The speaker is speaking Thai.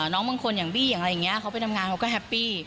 น้องบางคนอย่างบี้อย่างอะไรอย่างนี้เขาไปทำงานเขาก็แฮปปี้